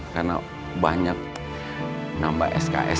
karena banyak nambah sks